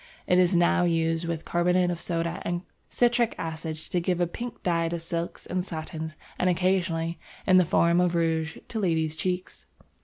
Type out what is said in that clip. It is now used with carbonate of soda and citric acid to give a pink dye to silks and satins, and occasionally, in the form of rouge, to ladies' cheeks!